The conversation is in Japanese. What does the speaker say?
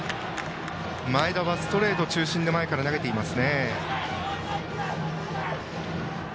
前田はストレート中心で投げています。